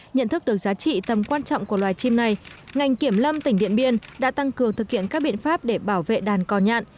nhận thức được giá trị tầm quan trọng của loài chim này ngành kiểm lâm tỉnh điện biên đã tăng cường thực hiện các biện pháp để bảo vệ đàn cò nhạn